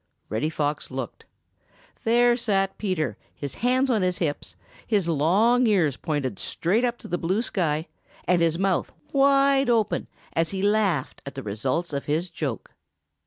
Reddy Fox looked. There sat Peter, his hands on his hips, his long ears pointed straight up to the blue sky, and his mouth wide open, as he laughed at the results of his joke.